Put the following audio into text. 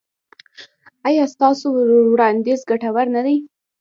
ایا ستاسو وړاندیز ګټور نه دی؟